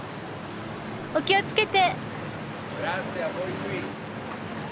お気をつけて。